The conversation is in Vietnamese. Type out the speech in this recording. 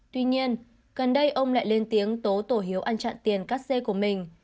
tuy nhiên gần đây ông lại lên tiếng tố tổ hiếu ăn chặn tiền cắt xê của mình